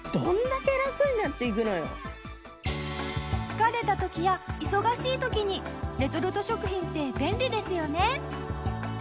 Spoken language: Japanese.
疲れた時や忙しい時にレトルト食品って便利ですよね。